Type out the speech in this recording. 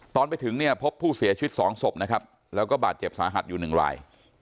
ตอนไปถึงเนี่ยพบผู้เสียชีวิต๒ศพนะครับแล้วก็บาดเจ็บสาหัสอยู่หนึ่งราย